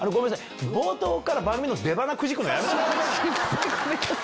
冒頭から番組の出ばなくじくのやめてもらえません？